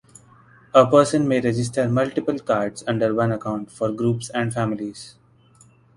A person may register multiple cards under one account for groups and families.